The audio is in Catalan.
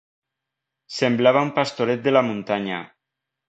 Semblava un pastoret de la muntanya.